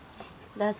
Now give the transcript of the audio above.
どうぞ。